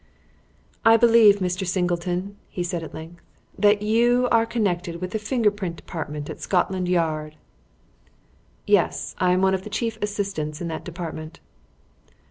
"I believe, Mr. Singleton," he said at length, "that you are connected with the Finger print Department at Scotland Yard?" "Yes. I am one of the chief assistants in that department."